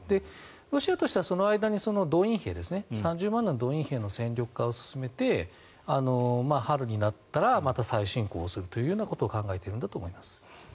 ロシアとしてはその間に動員兵、３０万人の動員兵の戦力化を進めていて春になったらまた再侵攻をするということを考えているんだと思います。